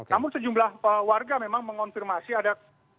namun sejumlah warga memang mengonfirmasi ada